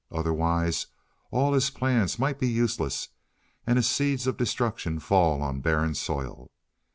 Otherwise all his plans might be useless and his seeds of destruction fall on barren soil.